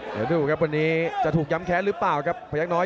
เดี๋ยวดูครับวันนี้จะถูกย้ำแค้นหรือเปล่าครับพยักษ์น้อย